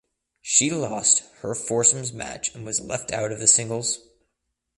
She lost her foursomes match and was left out of the singles.